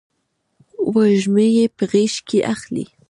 وږمه یې په غیږ کې اخلې